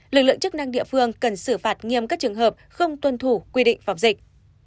lực lượng chức năng địa phương cần xử phạt nghiêm các trường hợp không tuân thủ quy định phòng dịch